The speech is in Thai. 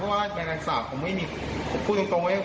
เพราะว่าแมลงซาบผมพูดจริง